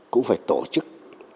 cũng phải tổ chức